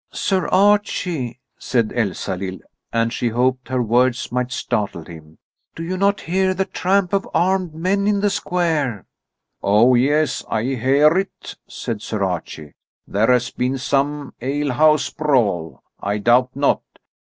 "Sir Archie," said Elsalill, and she hoped her words might startle him, "Do you not hear the tramp of armed men in the square?" "Oh, yes, I hear it," said Sir Archie; "there has been some alehouse brawl, I doubt not.